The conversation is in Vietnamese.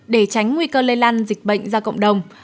để tránh nguy cơ lây lan dịch bệnh ra cộng đồng